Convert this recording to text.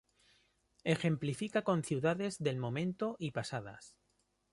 Ejemplifica con ciudades del momento y pasadas.